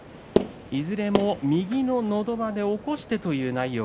いずれも右ののど輪で起こしてという内容。